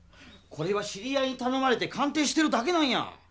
これは知り合いにたのまれて鑑定してるだけなんや！